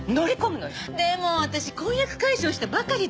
でも私婚約解消したばかりですよ。